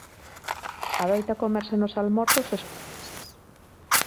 Adoita comerse nos almorzos e sobremesas.